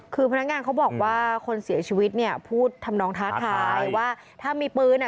คือพนักงานเขาบอกว่าคนเสียชีวิตเนี่ยพูดทำนองท้าทายว่าถ้ามีปืนอ่ะ